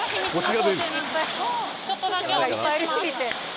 ちょっとだけお見せします。